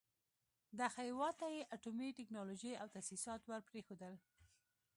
دغه هېواد ته يې اټومي ټکنالوژۍ او تاسيسات ور پرېښول.